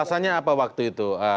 alasannya apa waktu itu